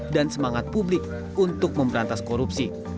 dan semangat publik untuk memberantas korupsi